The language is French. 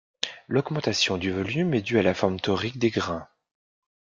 L'augmentation du volume est due à la forme torique des grains.